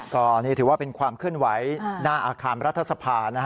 ก็นี่ถือว่าเป็นความเคลื่อนไหวหน้าอาคารรัฐสภา